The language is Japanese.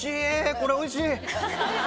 これおいしい！